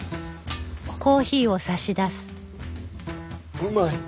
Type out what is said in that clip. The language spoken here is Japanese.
うまい。